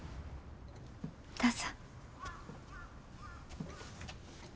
どうぞ。